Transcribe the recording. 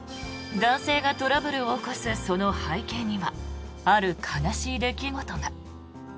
男性がトラブルを起こすその背景にはある悲しい出来事が。